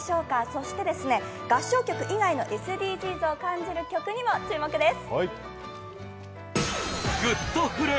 そして、合唱曲以外のＳＤＧｓを感じる曲にも注目です。